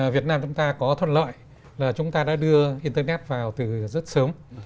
việt nam chúng ta có thuận lợi là chúng ta đã đưa internet vào từ rất sớm